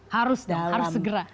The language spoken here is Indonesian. harus dong harus segera